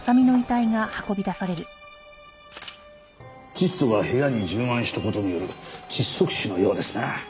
窒素が部屋に充満した事による窒息死のようですな。